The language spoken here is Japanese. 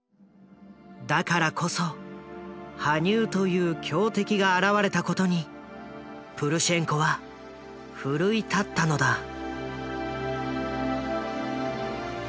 だからこそ羽生という強敵が現れたことにプルシェンコは奮い立ったのだ。